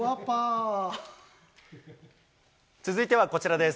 続いてはこちらです。